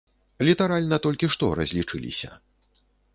Літаральна толькі што разлічыліся.